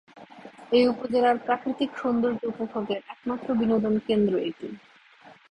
এ উপজেলার প্রাকৃতিক সৌন্দর্য উপভোগের একমাত্র বিনোদন কেন্দ্র এটি।